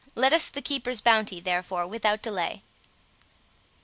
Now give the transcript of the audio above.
Let us see the keeper's bounty, therefore, without delay."